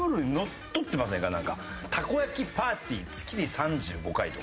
「たこ焼きパーティー月に３５回」とか。